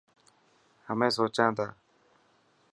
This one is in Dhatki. همين سوچان تا.